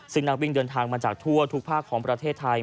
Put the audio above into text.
ซึ่งนักวิ่งเดินทางมาจากทั่วทุกภาคของประเทศไทย